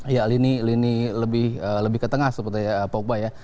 ya lini lebih ke tengah sepertinya pogba ya